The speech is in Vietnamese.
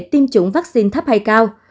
tiêm chủng vaccine thấp hay cao